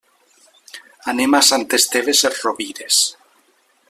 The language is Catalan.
Anem a Sant Esteve Sesrovires.